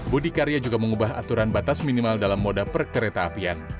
budi karya juga mengubah aturan batas minimal dalam moda perkereta apian